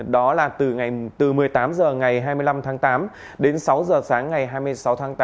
đó là từ một mươi tám h ngày hai mươi năm tháng tám đến sáu h sáng ngày hai mươi sáu tháng tám